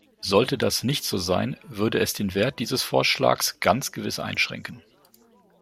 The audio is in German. Sollte das nicht so sein, würde es den Wert dieses Vorschlags ganz gewiss einschränken.